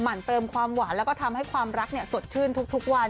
มันเติมความหวานแล้วก็ทำให้ความรักสดชื่นทุกวัน